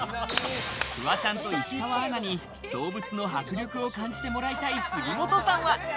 フワちゃんと石川アナに動物の迫力を感じてもらいたい杉本さんは。